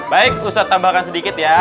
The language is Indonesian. baik pusat tambahkan sedikit ya